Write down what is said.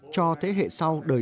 cho thế hệ sau đời đời